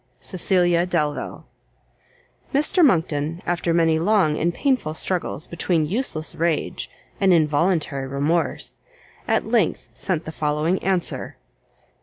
CECILIA DELVILE. Mr Monckton, after many long and painful struggles between useless rage, and involuntary remorse, at length sent the following answer.